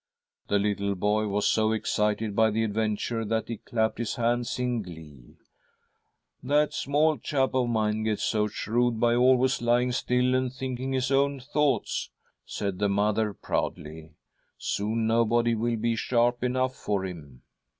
" The little boy was so excited by the adventure that he clapped his hands in glee. ' That small chap of mine gets so shrewd by always lying still and thi nk i n g his own thoughts,' said the mother proudly. ' Soon nobody will be sharp enough for him.'